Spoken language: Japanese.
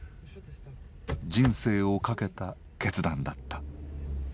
人生をかけた決断だった。